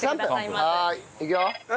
はーい。いくよ。